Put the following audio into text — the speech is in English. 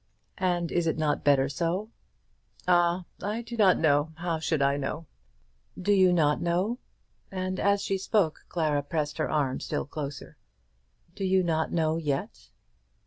"And is it not better so?" "Ah; I do not know. How should I know?" "Do you not know?" And as she spoke Clara pressed her arm still closer. "Do you not know yet?"